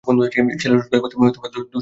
ছেলে রোজগার করতে দোসরা জায়গায় থাকে।